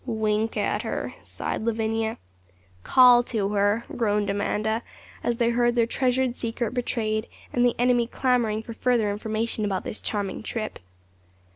'Wink at her,' sighed Lavinia. 'Call to her,' groaned Amanda, as they heard their treasured secret betrayed, and the enemy clamouring for further information about this charming trip.